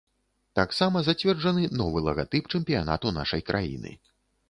Таксама зацверджаны новы лагатып чэмпіянату нашай краіны.